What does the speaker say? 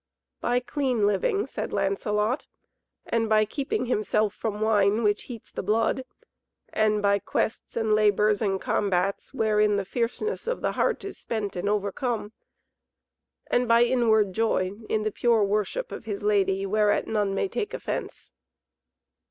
"By clean living," said Lancelot, "and by keeping himself from wine which heats the blood, and by quests and labours and combats wherein the fierceness of the heart is spent and overcome, and by inward joy in the pure worship of his lady, whereat none may take offence."